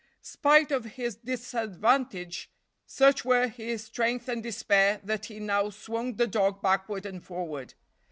Spite of his disadvantage, such were his strength and despair that he now swung the dog backward and forward.